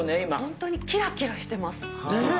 本当にキラキラしてます。ねぇ！